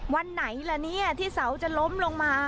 วันไหนล่ะเนี่ยที่เสาจะล้มลงมา